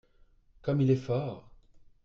Comme il est fort !